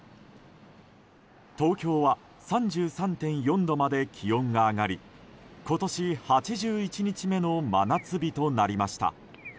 東京は３３．４度まで気温が上がり今年８１日目の真夏日となりました。